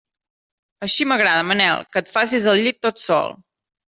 Així m'agrada, Manel, que et facis el llit tot sol.